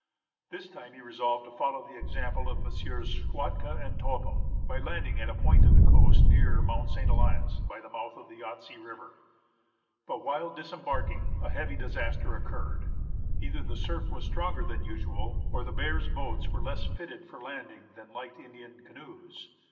This time he resolved to follow the example of Messrs. Schwatka and Topham, by landing at a point of the coast nearer Mount St. Elias by the mouth of the Yahtse River. But while disembarking, a heavy disaster occurred. Either the surf was stronger than usual, or the Bears boats were less fitted for landing than light Indian canoes.